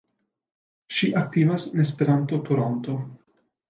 Ŝi aktivas en Esperanto-Toronto.